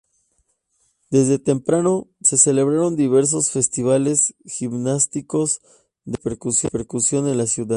Desde temprano se celebraron diversos festivales gimnásticos de gran repercusión en la ciudad.